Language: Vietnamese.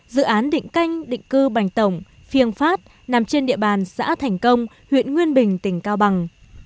dự án định canh định cư bành tổng phiêng phát nằm trên địa bàn xã thành công huyện nguyên bình tỉnh cao bằng